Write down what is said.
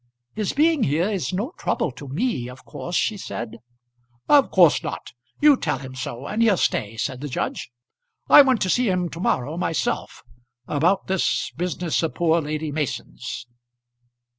"His being here is no trouble to me, of course," she said. "Of course not. You tell him so, and he'll stay," said the judge. "I want to see him to morrow myself; about this business of poor Lady Mason's."